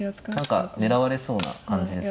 何か狙われそうな感じですよね。